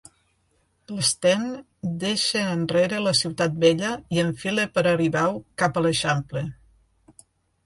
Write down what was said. L'Sten deixa enrere la Ciutat Vella i enfila per Aribau cap a l'Eixample.